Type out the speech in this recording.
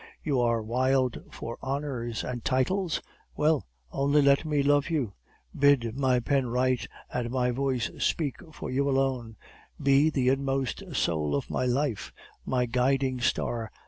'You are wild for honors and titles? Well, only let me love you; bid my pen write and my voice speak for you alone; be the inmost soul of my life, my guiding star!